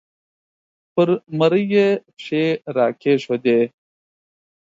پر مرۍ یې پښې را کېښودې